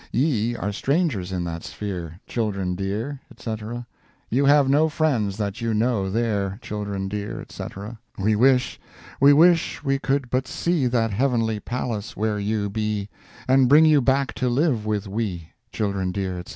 Ye are strangers in that sphere, Children dear, &c. You have no friends that you know there Children dear, &c. We wish, we wish we could but see That heavenly palace where you be, And bring you back to live with we, Children dear, &c.